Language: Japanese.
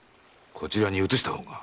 こちらに移した方が。